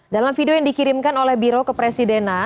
dalam video yang dikirimkan oleh biro ke presidenan